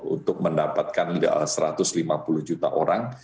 untuk mendapatkan satu ratus lima puluh juta orang